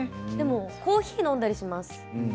でもコーヒーを飲んだりします